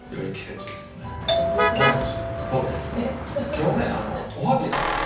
今日ねおはぎなんですよ。